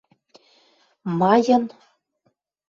майын —